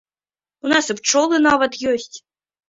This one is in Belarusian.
У нас і пчолы нават ёсць.